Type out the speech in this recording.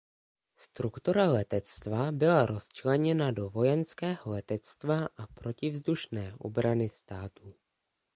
Struktura letectva byla rozčleněna do vojenského letectva a protivzdušné obrany státu.